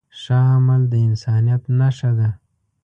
ښه عمل د انسانیت نښه ده.